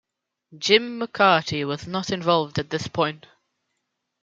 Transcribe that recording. Jim McCarty was not involved at this point.